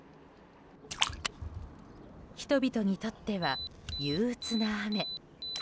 人々にとっては憂鬱な雨。